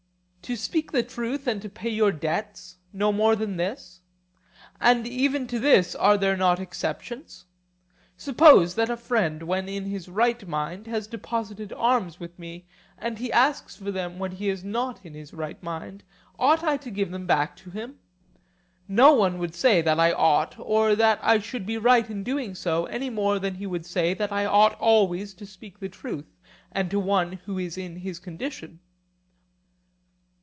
—to speak the truth and to pay your debts—no more than this? And even to this are there not exceptions? Suppose that a friend when in his right mind has deposited arms with me and he asks for them when he is not in his right mind, ought I to give them back to him? No one would say that I ought or that I should be right in doing so, any more than they would say that I ought always to speak the truth to one who is in his condition.